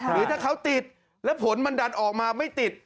หรือถ้าเขาติดแล้วผลมันดันออกมาไม่ติด